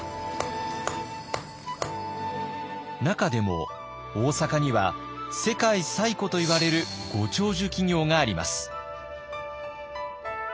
中でも大阪には世界最古といわれるご長寿企業があります。